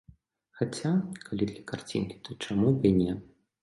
Хаця, калі для карцінкі, то чаму б і не?